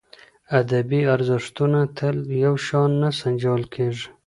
ادبي ارزښتونه تل یو شان نه سنجول کېږي.